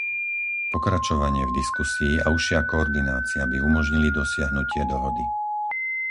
Pokračovanie v diskusii a užšia koordinácia by umožnili dosiahnutie dohody.